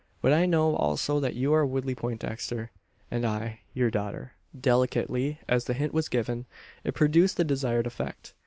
But I know also that you are Woodley Poindexter, and I your daughter." Delicately as the hint was given, it produced the desired effect.